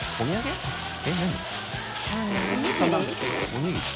おにぎり？